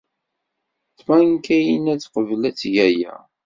Tabanka-inna ad teqbel ad teg aya.